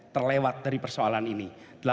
terlewat dari persoalan ini